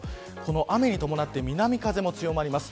雨に伴って南風も強まります。